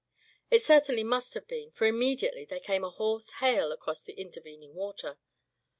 It certainly must have been, for immediately there came a hoarse hail across the intervening water.